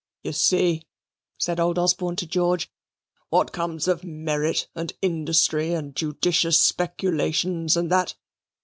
"You see," said old Osborne to George, "what comes of merit, and industry, and judicious speculations, and that.